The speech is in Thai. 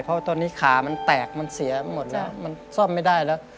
เพราะตอนนี้ขามันแตกมันเสียหมดแล้วมันซ่อมไม่ได้แล้ว